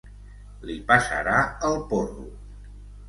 Li passarà el porro.